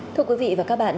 thưa quý vị và các bạn